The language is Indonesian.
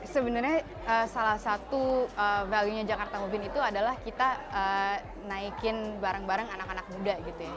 sebenarnya salah satu value nya jakarta mobile itu adalah kita naikin barang barang anak anak muda gitu ya